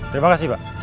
terima kasih pak